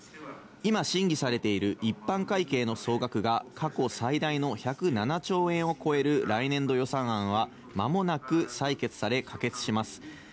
今、審議されている一般会計の総額が過去最大の１０７兆円を超える来年度予算案は、間もなく採決され可決します。